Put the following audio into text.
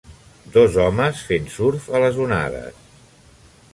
Dos homes fent surf a les onades.